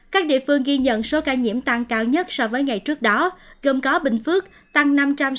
các địa phương ghi nhận số ca nhiễm tăng cao nhất so với ngày trước đó gồm có bình phước tăng năm trăm sáu mươi bảy